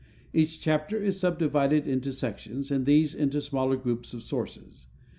Each chapter is subdivided into sections, and these into smaller groups of sources.